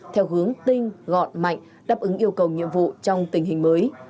theo hướng tinh gọn mạnh đáp ứng yêu cầu nhiệm vụ trong tình hình mới